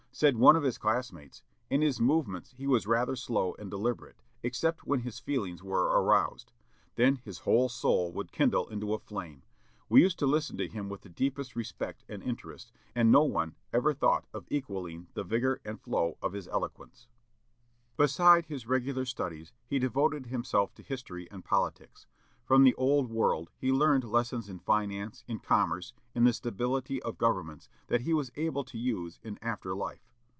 Said one of his classmates: "In his movements he was rather slow and deliberate, except when his feelings were aroused; then his whole soul would kindle into a flame. We used to listen to him with the deepest respect and interest, and no one ever thought of equalling the vigor and flow of his eloquence." Beside his regular studies, he devoted himself to history and politics. From the old world he learned lessons in finance, in commerce, in the stability of governments, that he was able to use in after life.